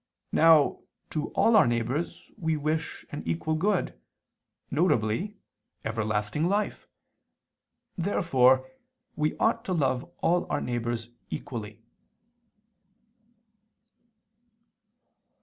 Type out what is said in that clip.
Now to all our neighbors we wish an equal good, viz. everlasting life. Therefore we ought to love all our neighbors equally.